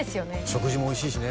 食事もおいしいしね